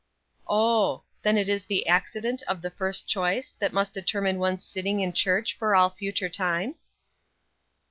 "Oh; then it is the accident of the first choice that must determine one's sitting in church for all future time?"